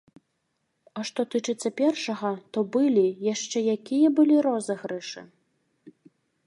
А што тычыцца першага, то былі, яшчэ якія былі розыгрышы!